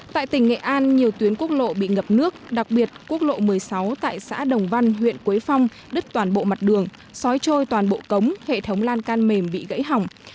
tại tỉnh nghệ an nhiều tuyến quốc lộ bị ngập nước đặc biệt quốc lộ một mươi sáu tại xã đồng văn huyện quế phong đứt toàn bộ mặt đường xói trôi toàn bộ cống hệ thống lan can mềm bị gãy hỏng